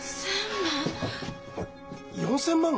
４，０００万！？